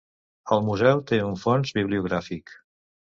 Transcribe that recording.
El Museu té un fons bibliogràfic.